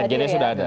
sekjennya sudah ada